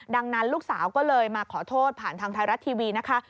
ดังนั้นลูกสาวก็เลยมาขอโทษผ่านทางไทยรัฐทีวีนะคะ